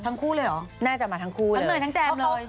ทั้งคู่เลยเหรอน่าจะมาทั้งคู่เลย